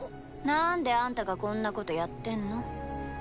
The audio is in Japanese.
なんであんたがこんなことやってんの？